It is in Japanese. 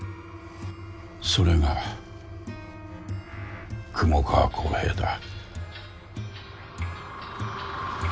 それが雲川幸平だ。